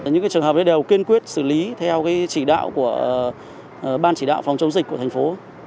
những trường hợp này đều kiên quyết xử lý theo ban chỉ đạo phòng chống dịch của thành phố